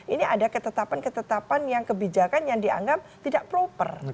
ini ada ketetapan ketetapan yang kebijakan yang dianggap tidak proper